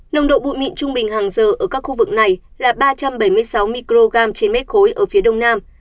nồng độ bụi mịn trung bình hàng giờ ở các khu vực này là ba trăm bảy mươi sáu microgram trên mét khối ở phía đông nam